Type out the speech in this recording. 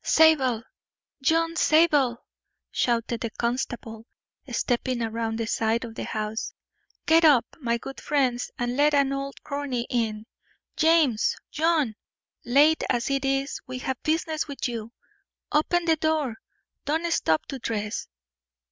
"Zabel! John Zabel!" shouted the constable, stepping around the side of the house. "Get up, my good friends, and let an old crony in. James! John! Late as it is, we have business with you. Open the door; don't stop to dress."